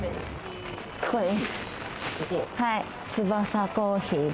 ここです。